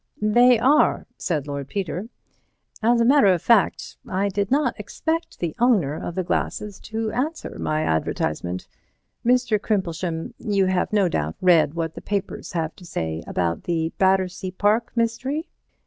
"They are," said Lord Peter. "As a matter of fact I did not expect the owner of the glasses to answer my advertisement. Mr. Crimplesham, you have no doubt read what the papers have to say about the Battersea Park mystery.